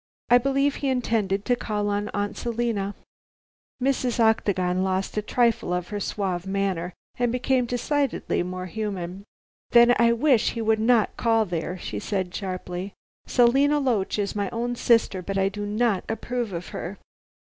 I believe he intended to call on Aunt Selina." Mrs. Octagon lost a trifle of her suave manner, and became decidedly more human. "Then I wish he would not call there," she said sharply. "Selina Loach is my own sister, but I do not approve of her."